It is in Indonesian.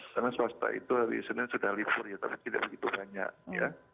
karena swasta itu hari senin sudah lipurnya tapi tidak begitu banyak ya